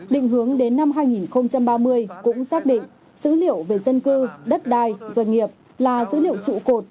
định hướng đến năm hai nghìn ba mươi cũng xác định dữ liệu về dân cư đất đai doanh nghiệp là dữ liệu trụ cột